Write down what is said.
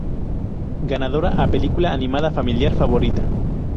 Ganadora a película animada familiar favorita.